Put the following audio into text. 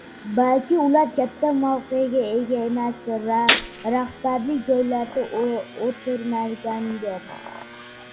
Balki ular katta mavqega ega emasdir, rahbarlik joylarida o‘tirmagandir